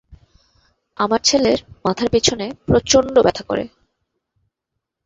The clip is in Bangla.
আমার ছেলের মাথার পিছনে প্রচন্ড ব্যথা করে।